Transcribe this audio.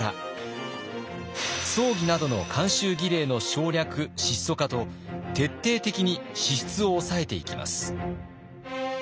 葬儀などの慣習儀礼の省略質素化と徹底的に支出を抑えていきます。